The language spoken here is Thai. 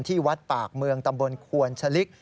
ที่วัดปากเมืองตำบลควนชะลิก